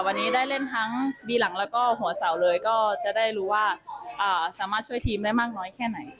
วันนี้ได้เล่นทั้งบีหลังแล้วก็หัวเสาเลยก็จะได้รู้ว่าสามารถช่วยทีมได้มากน้อยแค่ไหน